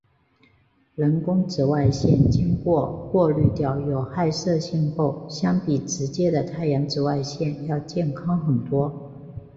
人工紫外线经过过滤掉有害射线后相比直接的太阳紫外线要健康很多。